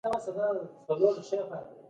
کتلې او وزن تر منځ څه توپیر موجود دی؟